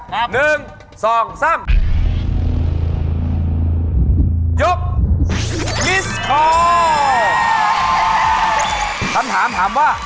ครับหนึ่งสองสามยกมิสคอลคำถามถามว่า